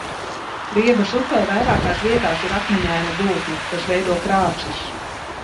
Riebas upē vairākās vietās ir akmeņaina gultne, kas veido krāces.